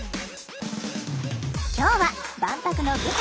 今日は万博の舞台